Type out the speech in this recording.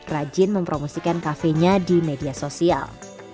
rajin mempromosikan cafe nya di media sosial